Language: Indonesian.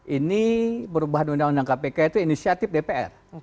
ini perubahan undang undang kpk itu inisiatif dpr